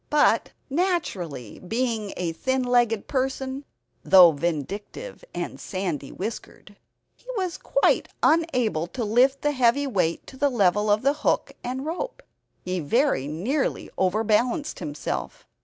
But, naturally, being a thin legged person (though vindictive and sandy whiskered) he was quite unable to lift the heavy weight to the level of the hook and rope. He very nearly overbalanced himself.